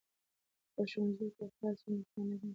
که په ښوونځي کې اخلاص وي نو خیانت نه وي.